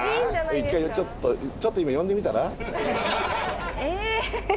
１回ちょっとちょっと今呼んでみたら？え！